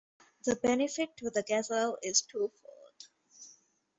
The benefit to the gazelle is twofold.